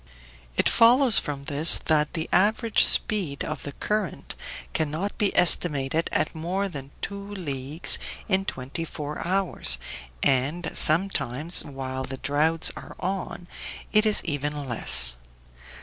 It follows from this that the average speed of the current cannot be estimated at more than two leagues in twenty four hours, and sometimes, while the droughts are on, it is even less.